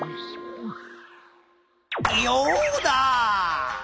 ヨウダ！